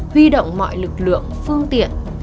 huy động mọi lực lượng phương tiện